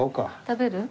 食べる？